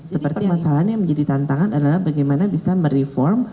seperti masalahnya yang menjadi tantangan adalah bagaimana bisa mereform